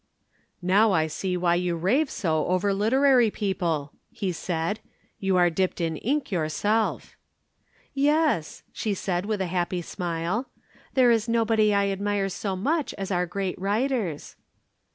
"Now I see why you rave so over literary people!" he said. "You are dipped in ink yourself." "Yes," she said with a happy smile, "there is nobody I admire so much as our great writers."